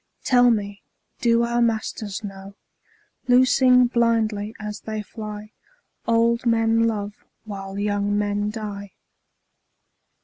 Tell me, do our masters know, Loosing blindly as they fly, Old men love while young men die?